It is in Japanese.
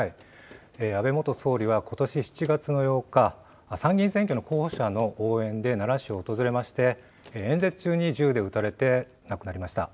安倍元総理はことし７月の８日、参議院選挙の候補者の応援で奈良市を訪れまして、演説中に銃で撃たれて亡くなりました。